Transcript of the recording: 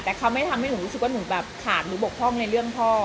แต่เขาไม่ทำให้หนูรู้สึกว่าหนูแบบขาดหนูบกพร่องในเรื่องพ่อ